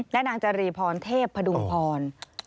และนางจรีพรเทพพดุงพร